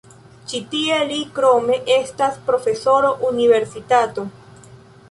Ĉi tie li krome estas profesoro universitato.